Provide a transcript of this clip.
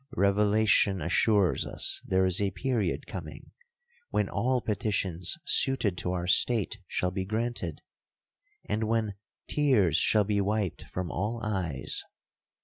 Revelation assures us there is a period coming, when all petitions suited to our state shall be granted, and when 'tears shall be wiped from all eyes.'